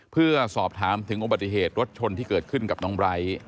เพื่อสอบถามถึงอุบัติเหตุรถชนที่เกิดขึ้นกับน้องไบร์ท